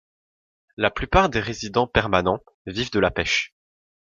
La plupart des résidents permanents vivent de la pêche.